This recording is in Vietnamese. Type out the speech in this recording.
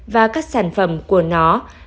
và các sản phẩm của nó